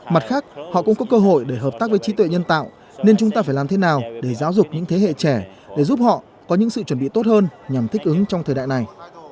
mặt khác họ cũng có cơ hội để hợp tác với trí tuệ nhân tạo nên chúng ta phải làm thế nào để giáo dục những thế hệ trẻ để giúp họ có những sự chuẩn bị tốt hơn nhằm thích ứng trong thời đại này